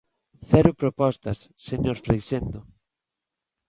¡Cero propostas, señor Freixendo!